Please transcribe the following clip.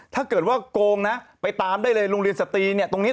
ถ้าเกิดว่าโกงนะไปตามได้เลยโรงเรียนสตรีเนี่ยตรงนี้